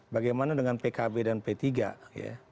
bagaimana dengan pkb dan p tiga ya